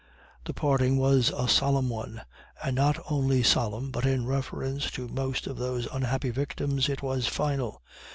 The parting was a solemn one, and not only solemn, but in reference to most of those unhappy victims, it was final.